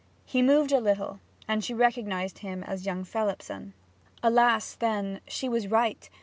He moved a little, and she recognized him as young Phelipson. Alas, then, she was right.